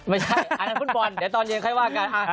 ไม่ใช่อันนั้นคุณบอลเดี๋ยวตอนเย็นไข้ว่ากัน